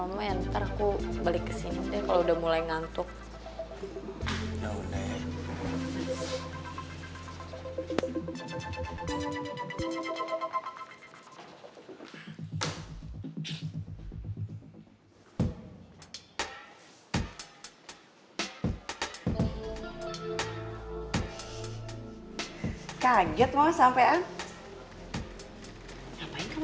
lumayan ntar aku balik ke sini udah udah mulai ngantuk ya udah kaget mau sampai